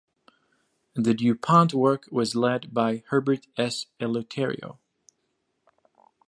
The DuPont work was led by Herbert S. Eleuterio.